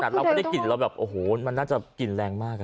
เราก็ได้กลิ่นเราแบบโอ้โหมันน่าจะกลิ่นแรงมาก